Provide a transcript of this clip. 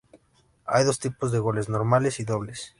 Hay dos tipos de goles: normales y dobles.